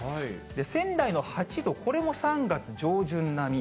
仙台の８度、これも３月上旬並み。